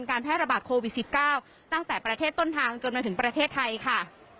แพร่ระบาดโควิด๑๙ตั้งแต่ประเทศต้นทางจนมาถึงประเทศไทยค่ะ